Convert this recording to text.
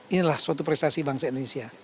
inilah suatu prestasi bangsa indonesia